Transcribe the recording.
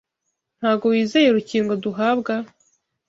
Ntago wizeye urukingo duhabwa?